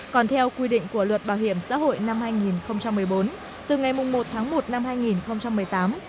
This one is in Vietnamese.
còn theo quy định của luật bảo hiểm xã hội năm hai nghìn một mươi bốn từ ngày một tháng một năm hai nghìn một mươi tám